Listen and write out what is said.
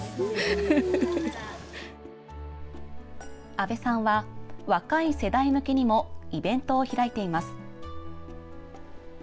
阿部さんは若い世代向けにもイベントを開いています。